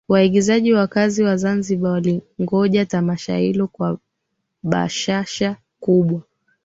Waigizaji na wakazi wa Zanzibar hulingoja Tamasha Hilo kwa bashasha kubwa